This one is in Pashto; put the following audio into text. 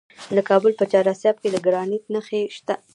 د کابل په چهار اسیاب کې د ګرانیټ نښې شته.